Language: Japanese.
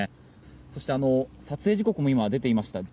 そして、撮影時刻も今出ていました。